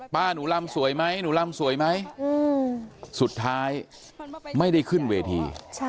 ป้าหนูลำสวยไหมหนูลำสวยไหมสุดท้ายไม่ได้ขึ้นเวที